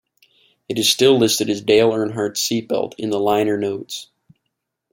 It is still listed as "Dale Earnhardt's Seatbelt" in the liner notes.